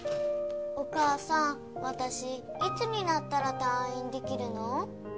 お母さん私いつになったら退院できるの？